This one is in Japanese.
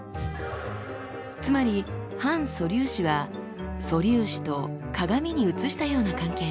つまり反素粒子は素粒子と鏡に映したような関係。